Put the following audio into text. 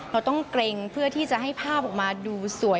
เราต้องเกร็งเพื่อที่จะให้ภาพออกมาดูสวย